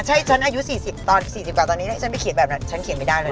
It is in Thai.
ใช่ฉันอายุ๔๐ตอน๔๐กว่าตอนนี้ถ้าฉันไปเขียนแบบนั้นฉันเขียนไม่ได้เลย